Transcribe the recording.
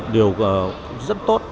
điều rất tốt